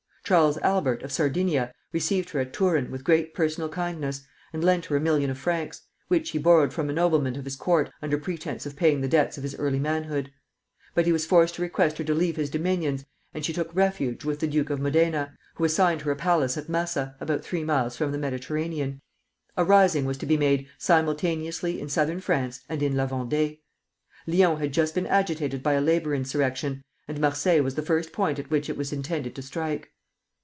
Charles Albert, of Sardinia, received her at Turin with great personal kindness, and lent her a million of francs, which he borrowed from a nobleman of his court under pretence of paying the debts of his early manhood; but he was forced to request her to leave his dominions, and she took refuge with the Duke of Modena, who assigned her a palace at Massa, about three miles from the Mediterranean. A rising was to be made simultaneously in Southern France and in La Vendée. Lyons had just been agitated by a labor insurrection, and Marseilles was the first point at which it was intended to strike.